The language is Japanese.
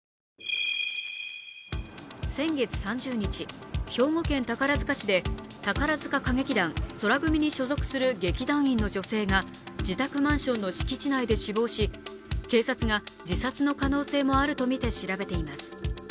先月３０日、兵庫県宝塚市で宝塚歌劇団・宙組に所属する劇団員の女性が自宅マンションの敷地内で死亡し、警察が、自殺の可能性もあるとみて調べています。